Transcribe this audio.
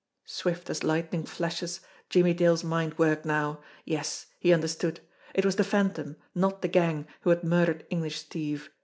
Swift as lightning flashes Jimmie Dale's mind worked now. Yes, he understood. It was the Phantom, not the gang, who had murdered English Steve.